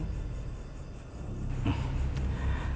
sebagai dewan penasehat